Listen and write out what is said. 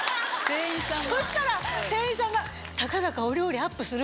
そしたら店員さんがたかだか。